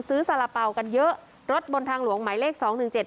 ซื้อสารเปล่ากันเยอะรถบนทางหลวงไหมเลขสองหนึ่งเจ็ด